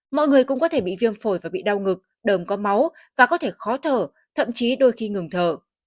mọi người cũng có thể bị viêm phổi và bị đau ngực đờm có máu và có thể khó thở thậm chí đôi khi ngừng thở